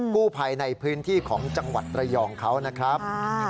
ผู้ภัยในพื้นที่ของจังหวัดระยองเขานะครับ